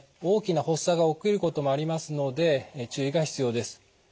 大きな発作が起きることもありますので注意が必要です。